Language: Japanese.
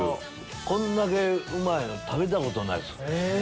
こんだけうまいの食べたことない。